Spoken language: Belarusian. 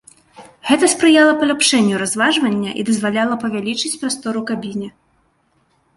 Гэта спрыяла паляпшэнню разважвання і дазваляла павялічыць прастор у кабіне.